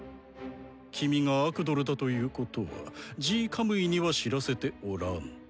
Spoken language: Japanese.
君がアクドルだということはＧ・カムイには知らせておらん。